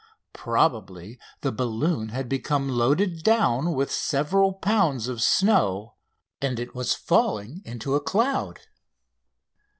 Probably the balloon had become loaded down with several pounds of snow, and it was falling into a cloud.